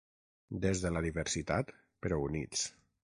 Des de la diversitat però units.